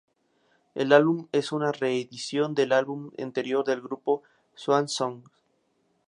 El álbum es una re-edición del álbum anterior del grupo, Swan Songs.